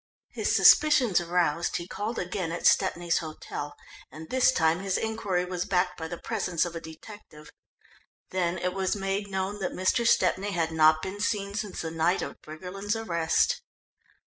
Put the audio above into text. His suspicions aroused, he called again at Stepney's hotel, and this time his inquiry was backed by the presence of a detective. Then it was made known that Mr. Stepney had not been seen since the night of Briggerland's arrest.